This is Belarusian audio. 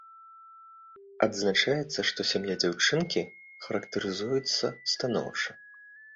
Адзначаецца, што сям'я дзяўчынкі характарызуецца станоўча.